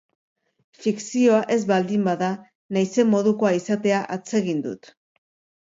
Fikzioa ez baldin bada, naizen modukoa izatea atsegin dut.